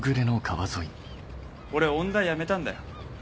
俺音大辞めたんだよ。